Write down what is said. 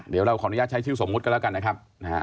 เดี๋ยวเราขออนุญาตใช้ชื่อสมมุติกันแล้วกันนะครับ